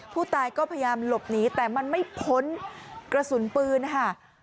ผู้ตายก็พยายามหลบหนีแต่มันไม่พ้นกระสุนปืนนะคะ